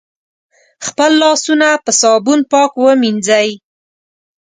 خپل لاسونه په صابون پاک ومېنځی